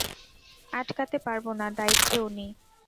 আটকাতে পারব না, দায়িত্বে উনি।